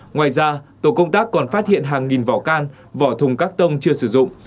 ngoài ra tổ công tác còn phát hiện hàng nghìn vỏ can vỏ thùng các tông chưa sử dụng